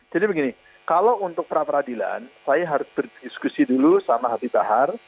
jadi begini kalau untuk perapradilan saya harus berdiskusi dulu sama habib bahar